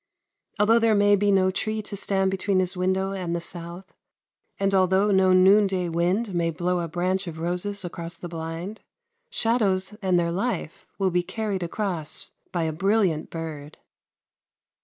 Although there may be no tree to stand between his window and the south, and although no noonday wind may blow a branch of roses across the blind, shadows and their life will be carried across by a brilliant bird.